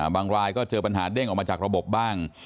บางรายก็เจอปัญหาเด้งออกมาจากระบบบ้าง